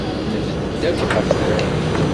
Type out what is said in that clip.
Nebded akk ɣef tikkelt.